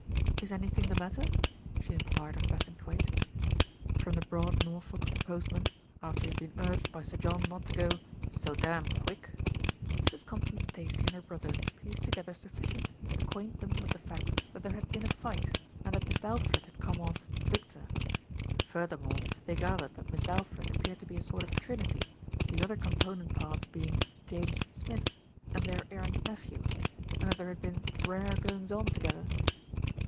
Is anything the matter?" she enquired of Bassing thwaighte. From the broad Norfolk of the postman, after he had been urged by Sir John not to go "so damn quick," 322 THE RETURN OF ALFRED Mrs. Compton Stacey and her brother pieced together sufficient to acquaint them with the fact that there had been a fight, and that Mist' Alfred had come off victor. Furthermore they gathered that Mist' Alfred appeared to be a sort of trinity, the other component parts being "James Smith," and their errant nephew, and that there had been "rare goings on together."